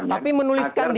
tapi menuliskan di